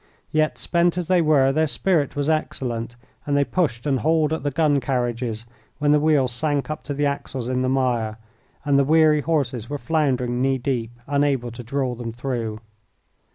Yet, spent as they were, their spirit was excellent, and they pushed and hauled at the gun carriages when the wheels sank up to the axles in the mire, and the weary horses were floundering knee deep unable to draw them through.